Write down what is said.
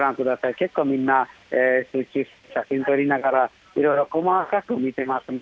結構みんな、写真撮りながら、いろいろ細かく見てます。